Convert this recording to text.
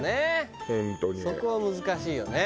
そこは難しいよね